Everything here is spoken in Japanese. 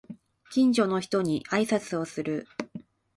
近所の人に挨拶をする